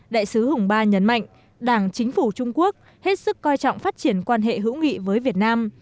đại sứ hùng ba nhấn mạnh đảng chính phủ trung quốc hết sức coi trọng phát triển quan hệ hữu nghị với việt nam